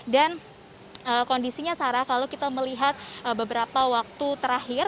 dan kondisinya sarah kalau kita melihat beberapa waktu terakhir